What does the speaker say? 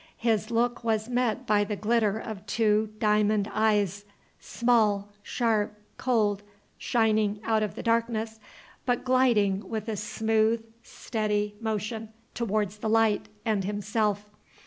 His look was met by the glitter of two diamond eyes, small, sharp, cold, shining out of the darkness, but gliding with a smooth, steady motion towards the light, and himself.